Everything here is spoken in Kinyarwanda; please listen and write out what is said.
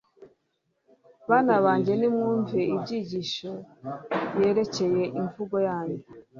bana banjye, nimwumve inyigisho yerekeye imvugo yanyu